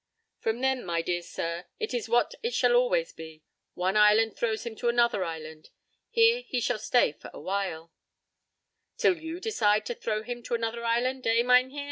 —From then, my dear sir, it is what it shall always be; one island throws him to another island. Here he shall stay for a while—" "Till you decide to 'throw' him to another island, eh, Mynheer?"